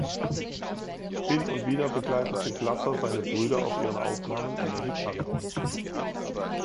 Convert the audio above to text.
Hin und wieder begleitete Glasser seine Brüder auf ihren Aufnahmen an der Gitarre.